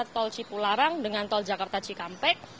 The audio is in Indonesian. tol cipularang dengan tol jakarta cikampek